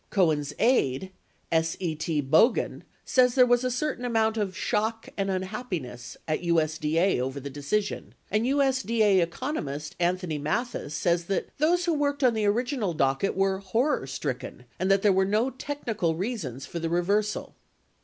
19 Cohen's aide, S.E.T. Bogan, says there was a certain amount of "shock and unhappiness" at USD A over the decision, and USDA Economist Anthony Mathis says that those who worked on the original docket were "horror stricken" and that there were no technical reasons for the reversal.